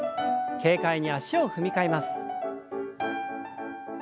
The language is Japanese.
軽快に脚を踏み替えます。